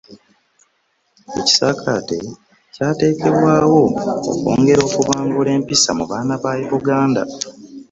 Ekisaakaate kyateekebwawo okwongera okubangula empisa mu baana ba Buganda